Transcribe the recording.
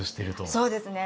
そうですね。